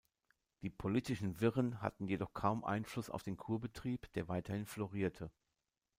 Die politischen Wirren hatten jedoch kaum Einfluss auf den Kurbetrieb, der weiterhin florierte.